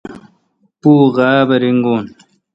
پو غاب ریگون۔